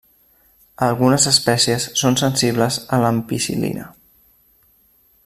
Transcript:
Algunes espècies són sensibles a l'ampicil·lina.